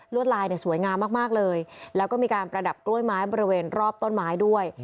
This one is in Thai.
ลายเนี่ยสวยงามมากเลยแล้วก็มีการประดับกล้วยไม้บริเวณรอบต้นไม้ด้วย